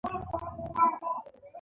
خو په اردو کې مو خوند اوبو وړی دی.